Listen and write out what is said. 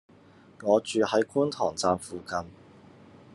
我住喺觀塘站附近